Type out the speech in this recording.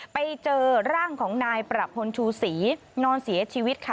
ไปเจอร่างของนายประพลชูศรีนอนเสียชีวิตค่ะ